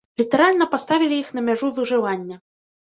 Літаральна паставілі іх на мяжу выжывання.